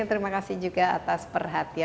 terima kasih juga atas perhatian